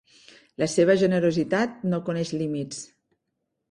La seva generositat no coneix límits.